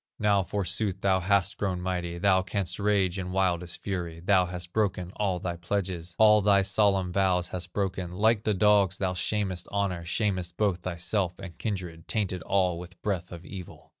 "Now forsooth thou hast grown mighty, Thou canst rage in wildest fury; Thou hast broken all thy pledges, All thy solemn vows hast broken, Like the dogs thou shamest honor, Shamest both thyself and kindred, Tainted all with breath of evil.